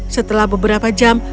setelah beberapa jam